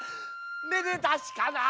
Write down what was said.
めでたしかな。